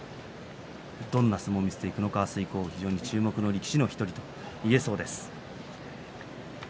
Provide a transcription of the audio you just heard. どんな相撲を見せていくのか明日以降注目の力士の１人です。